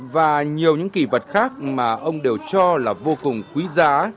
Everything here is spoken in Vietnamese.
và nhiều những kỷ vật khác mà ông đều cho là vô cùng quý giá